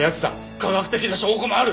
科学的な証拠もある。